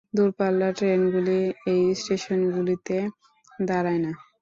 দূরপাল্লার ট্রেনগুলি এই স্টেশনগুলিতে দাঁড়ায় না।